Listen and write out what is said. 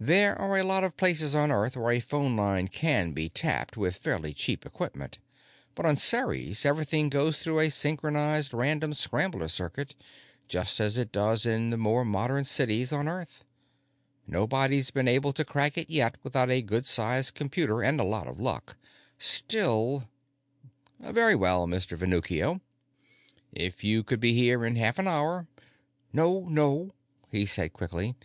There are a lot of places on Earth where a phone line can be tapped with fairly cheap equipment simply because, for economic reasons, the phone company hasn't installed new equipment. But on Ceres, everything goes through a synchronized random scrambler circuit, just as it does in the more modern cities on Earth. Nobody's been able to crack it yet without a good sized computer and a lot of luck. Still "Very well, Mr. Venuccio; if you could be here in half an hour " "No, no," he said quickly.